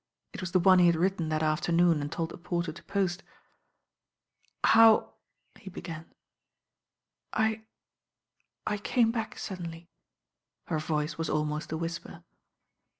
It was the one he had written that afternoon and told the porter to pott. "How " he hegan. "I — I came back iuddenly." Her voice was al most a whisper.